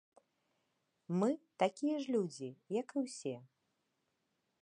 Мы такія ж людзі, як і ўсе.